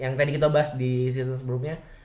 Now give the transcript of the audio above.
yang tadi kita bahas di situ sebelumnya